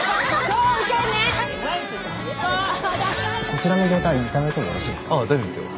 こちらのデータ頂いてもよろしいですか？